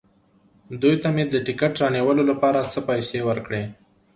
دوی ته مې د ټکټ رانیولو لپاره څه پېسې ورکړې.